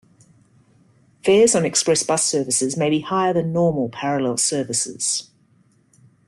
Fares on express bus services may be higher than normal parallel services.